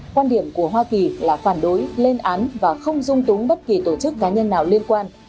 quan điểm của hoa kỳ là phản đối lên án và không dung túng bất kỳ tổ chức cá nhân nào liên quan